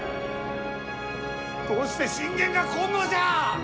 どうして信玄が来んのじゃあ！